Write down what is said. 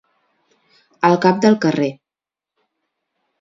Al cap del carrer.